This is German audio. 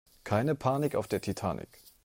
Keine Panik auf der Titanic!